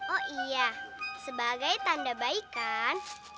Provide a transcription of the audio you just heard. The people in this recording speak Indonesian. oh iya sebagai tanda baikan